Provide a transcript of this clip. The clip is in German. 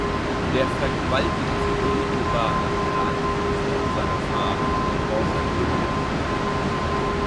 Der vergewaltigt sie unmittelbar nach ihrer Ankunft auf seiner Farm, woraus ein Junge hervorgeht.